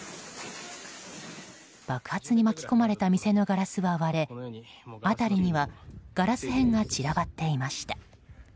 爆発に巻き込まれた店のガラスは割れ辺りにはガラス片が散らばっていました。